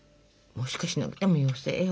もしかしなくても妖精よ。